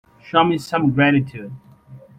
Show me some gratitude.